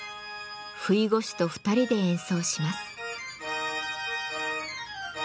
ふいご手と２人で演奏します。